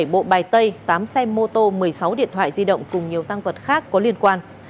bốn mươi bảy bộ bài tây tám xe mô tô một mươi sáu điện thoại di động cùng nhiều tăng vật khác có liên quan